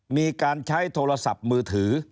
มีการใช้โทรศัพท์มือถือ